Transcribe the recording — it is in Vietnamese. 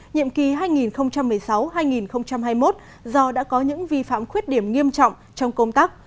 nhiệm kỳ hai nghìn một mươi sáu hai nghìn hai mươi một do đã có những vi phạm khuyết điểm nghiêm trọng trong công tác